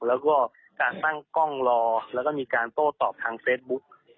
แล้วก็การตั้งกล้องรอแล้วก็มีการโต้ตอบทางเฟซบุ๊ก